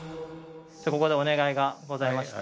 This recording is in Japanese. ここでお願いがございまして。